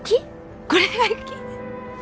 これが雪？